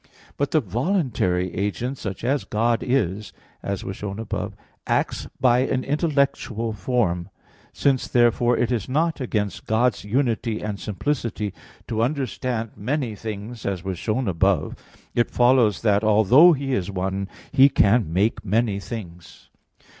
But the voluntary agent, such as God is, as was shown above (Q. 19, A. 4), acts by an intellectual form. Since, therefore, it is not against God's unity and simplicity to understand many things, as was shown above (Q. 15, A. 2), it follows that, although He is one, He can make many things.